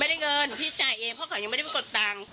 ได้เงินพี่จ่ายเองเพราะเขายังไม่ได้ไปกดตังค์